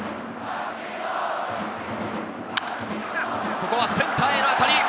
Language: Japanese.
ここはセンターへの当たり。